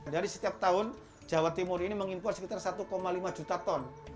dari setiap tahun jawa timur ini mengimpor sekitar satu lima juta ton